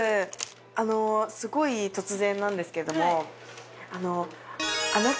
あのすごい突然なんですけれども。